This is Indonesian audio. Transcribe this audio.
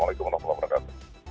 assalamualaikum wr wb